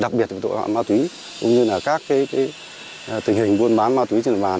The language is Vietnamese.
đặc biệt là tội phạm ma túy cũng như là các tình hình buôn bán ma túy trên địa bàn